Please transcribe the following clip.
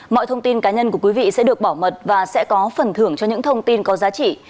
mọi thông tin cá nhân của quý vị sẽ được bảo mật và sẽ có phần thưởng cho những thông tin có giá trị